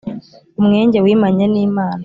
umwenge wimanye n’imana